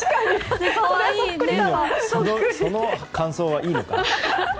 その感想はいいのか？